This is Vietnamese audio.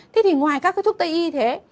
thế thì ngoài các cái thuốc tây y thế